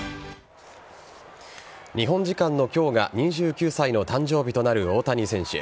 日本時間の今日が２９歳の誕生日となる大谷選手。